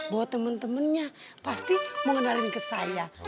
buat temen temennya pasti mau kenalin ke saya